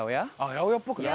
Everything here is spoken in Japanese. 八百屋っぽくない？